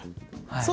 はい。